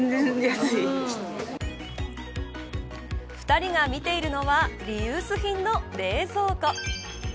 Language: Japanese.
２人が見ているのはリユース品の冷蔵庫。